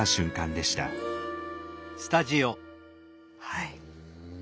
はい。